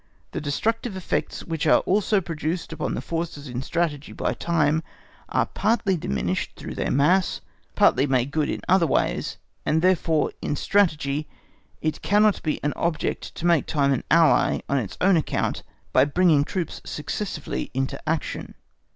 The destructive effects which are also produced upon the forces in Strategy by time, are partly diminished through their mass, partly made good in other ways, and, therefore, in Strategy it cannot be an object to make time an ally on its own account by bringing troops successively into action.